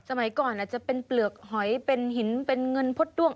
สมัยก่อนอาจจะเป็นเปลือกหอยเป็นหินเป็นเงินพดด้วง